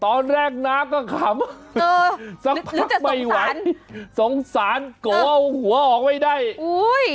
ตอนแรกน้าก็ขำเออหรือจะสงสารสงสารโกว้าวหัวออกไม่ได้อุ้ย